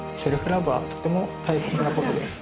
はとても大切なことです。